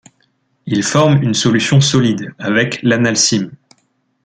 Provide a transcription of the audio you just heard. Il forme une solution solide avec l'analcime.